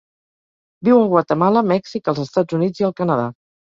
Viu a Guatemala, Mèxic, els Estats Units i el Canadà.